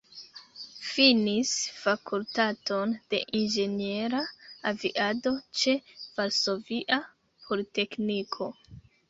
Finis Fakultaton de Inĝeniera Aviado ĉe Varsovia Politekniko.